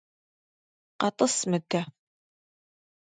КъэтӀыс мыдэ!